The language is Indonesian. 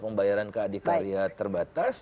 pembayaran ke adikarya terbatas